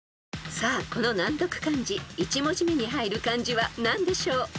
［さあこの難読漢字１文字目に入る漢字は何でしょう］